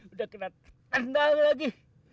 udah kena tendang lagi